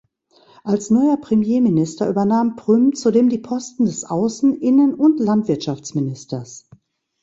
Als neuer Premierminister übernahm Prüm zudem die Posten des Außen-, Innen- und Landwirtschaftsministers.